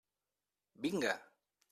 Vinga!